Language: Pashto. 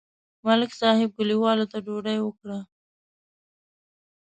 ملک صاحب کلیوالو ته ډوډۍ وکړه.